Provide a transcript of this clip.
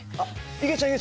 いげちゃん！